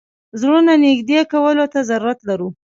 زړونو نېږدې کولو ته ضرورت لرو.